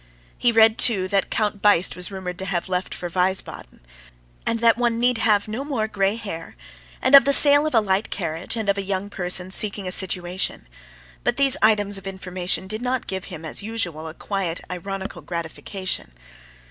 He read, too, that Count Beist was rumored to have left for Wiesbaden, and that one need have no more gray hair, and of the sale of a light carriage, and of a young person seeking a situation; but these items of information did not give him, as usual, a quiet, ironical gratification.